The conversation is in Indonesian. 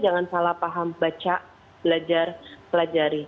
jangan salah paham baca belajar pelajari